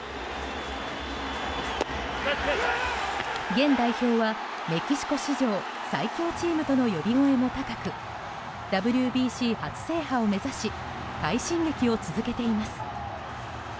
現代表はメキシコ史上最強チームとの呼び声も高くＷＢＣ初制覇を目指し快進撃を続けています。